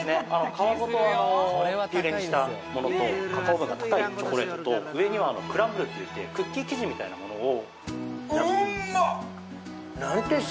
皮ごとピューレにしたものとカカオ度が高いチョコレートと上にはクランブルといってクッキー生地みたいなものをうんま！